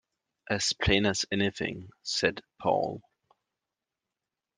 “As plain as anything,” said Paul.